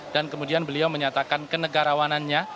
dan kemudian beliau menyatakan kenegarawanannya